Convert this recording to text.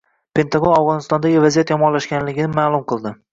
Pentagon Afg‘onistondagi vaziyat yomonlashganini ma’lum qildi